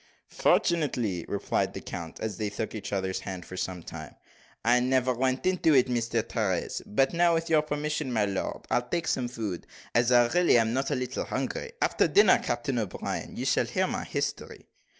"Fortunately," replied the count, as they shook each other's hands for some time, "I never went into it, Sir Terence. But now, with your permission, my lord, I'll take some food, as I really am not a little hungry. After dinner, Captain O'Brien, you shall hear my history."